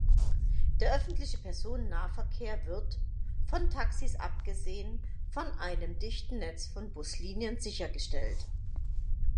Der öffentliche Personennahverkehr wird, von Taxis abgesehen, von einem dichten Netz von Buslinien sichergestellt.